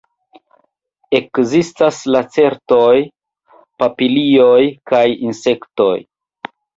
Ekzistas lacertoj, papilioj kaj insektoj.